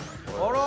あら。